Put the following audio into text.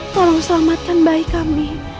tolong selamatkan bayi kami